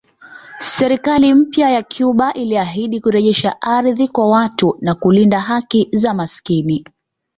Serikali mpya ya Cuba iliahidi kurejesha ardhi kwa watu na kulinda haki za maskini